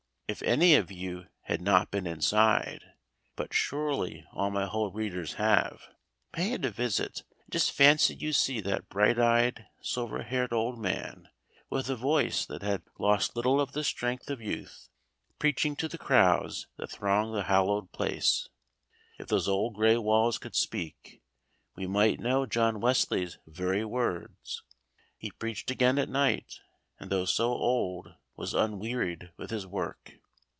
If any of you have not been inside but surely all my Hull readers have pay it a visit, and just fancy you see that bright eyed, silver haired old man, with a voice that had lost little of the strength of youth, preaching to the crowds that thronged the hallowed place. If those old grey walls could speak, we might know John Wesley's very words. He preached again at night, and though so old, was unwearied with his work.